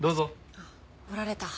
あっ折られた歯